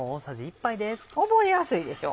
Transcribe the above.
覚えやすいでしょ。